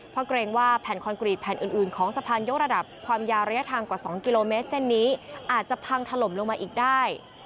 เพราะเกรงว่าแผ่นคอนกรีตแผ่นอื่นของสะพานยกระดับความยาวระยะทางกว่า๒กิโลเมตรเส้นนี้อาจจะพังถล่มลงมาอีกได้